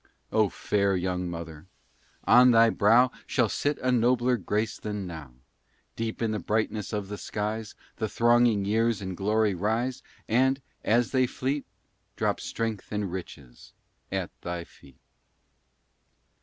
Oh, fair young mother! on thy brow Shall sit a nobler grace than now. Deep in the brightness of the skies The thronging years in glory rise, And, as they fleet, Drop strength and riches at thy feet.